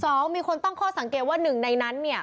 มีคนตั้งข้อสังเกตว่าหนึ่งในนั้นเนี่ย